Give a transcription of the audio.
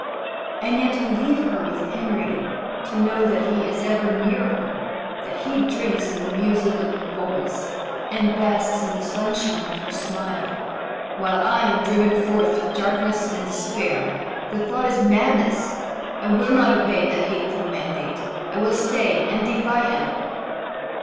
And yet to leave her with Henry to know that he is ever near her that he drinks in the music of her voice, and basks in the sunshine of her smile while I am driven forth to darkness and despair the thought is madness! I will not obey the hateful mandate! I will stay and defy him!"